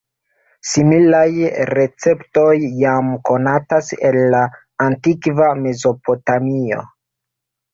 Similaj receptoj jam konatas el la antikva Mezopotamio.